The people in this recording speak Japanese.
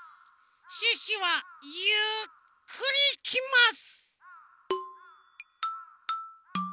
シュッシュはゆっくりいきます！